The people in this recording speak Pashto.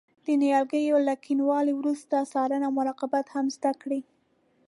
د نیالګیو له کینولو وروسته څارنه او مراقبت هم زده کړئ.